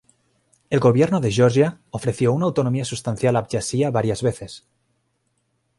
El gobierno de Georgia ofreció una autonomía sustancial a Abjasia varias veces.